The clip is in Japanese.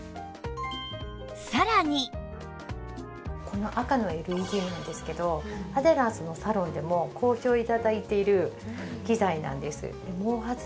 この赤のＬＥＤなんですけどアデランスのサロンでも好評頂いている機材なんです。